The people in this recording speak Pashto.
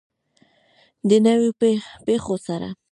د نویو پیښو سره.